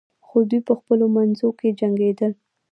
خو دوی په خپلو منځو کې جنګیدل.